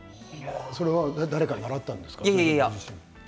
それは誰かに習ったんですか。